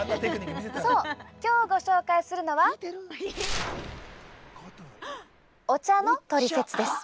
そう、今日ご紹介するのは「お茶のトリセツ」です。